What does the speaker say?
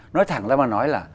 nói thẳng ra mà nói là